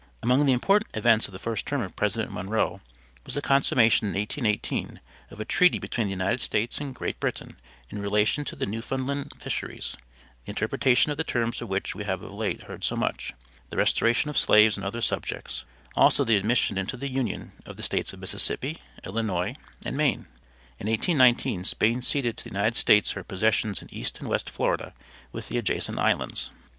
Among the important events of the first term of President Monroe was the consummation in 1818 of a treaty between the United States and Great Britain in relation to the Newfoundland fisheries the interpretation of the terms of which we have of late heard so much; the restoration of slaves and other subjects; also the admission into the Union of the States of Mississippi, Illinois and Maine; in 1819 Spain ceded to the United States her possessions in East and West Florida with the adjacent islands.